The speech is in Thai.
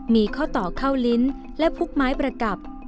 มีข้อต่อเข้าลิ้นและพุกไม้ประกลับ